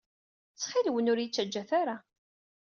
Ttxil-wen, ur iyi-ttaǧǧat ara!